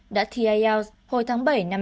đã thi ielts hồi tháng bảy năm hai nghìn một mươi hai